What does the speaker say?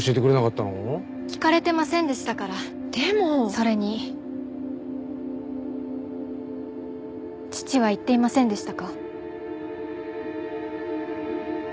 それに父は言っていませんでしたか？